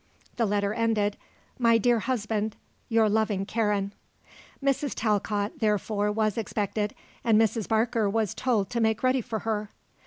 The letter ended: "My dear husband, your loving Karen." Mrs. Talcott, therefore, was expected, and Mrs. Barker was told to make ready for her.